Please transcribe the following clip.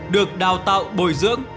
được đào tạo bồi dưỡng